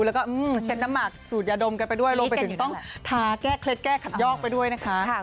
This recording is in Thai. แล้วก็เช็ดน้ำหมักสูดยาดมกันไปด้วยรวมไปถึงต้องทาแก้เคล็ดแก้ขัดยอกไปด้วยนะคะ